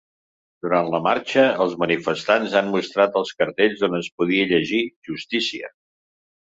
Durant la marxa els manifestants han mostrat cartells on es podia llegir ‘justícia’.